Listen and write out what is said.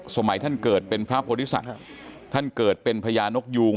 สมัยท่านเกิดเป็นพระโพธิสัตว์ท่านเกิดเป็นพญานกยูง